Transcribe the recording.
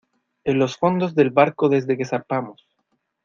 en los fondos del barco desde que zarpamos.